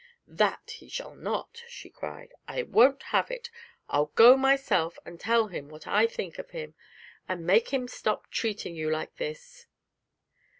'That he shall not!' she cried; 'I won't have it, I'll go myself, and tell him what I think of him, and make him stop treating you like this.'